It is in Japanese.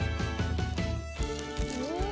うん。